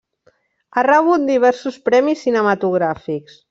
Ha rebut diversos premis cinematogràfics.